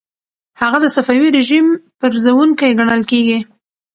هغه د صفوي رژیم پرزوونکی ګڼل کیږي.